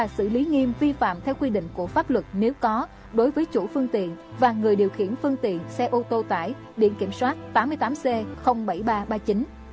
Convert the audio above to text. xử lý nghiêm vi phạm theo quy định của pháp luật nếu có đối với chủ phương tiện và người điều khiển phương tiện xe ô tô tải biển kiểm soát tám mươi tám c bảy nghìn ba trăm ba mươi chín